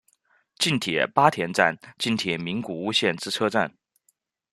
近铁八田站近铁名古屋线之车站。